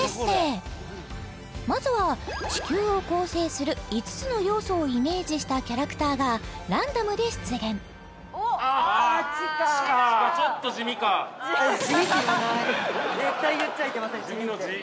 まずは地球を構成する５つの要素をイメージしたキャラクターがランダムで出現あっ地か絶対言っちゃいけません